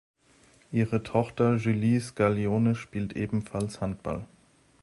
Ihre Tochter Julie Scaglione spielt ebenfalls Handball.